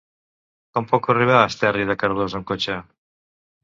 Com puc arribar a Esterri de Cardós amb cotxe?